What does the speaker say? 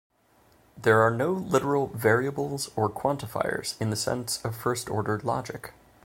There are no literal variables or quantifiers in the sense of first-order logic.